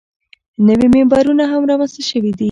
نوي منبرونه هم رامنځته شوي دي.